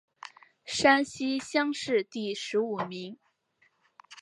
山西乡试第十五名。